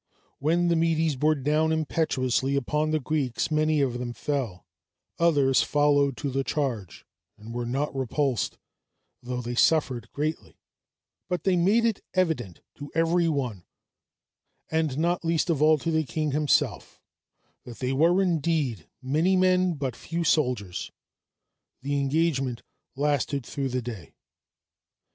When the Medes bore down impetuously upon the Greeks, many of them fell; others followed to the charge, and were not repulsed, though they suffered greatly; but they made it evident to every one, and not least of all to the king himself, that they were indeed many men, but few soldiers. The engagement lasted through the day.